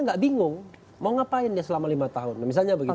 nggak bingung mau ngapain dia selama lima tahun misalnya begitu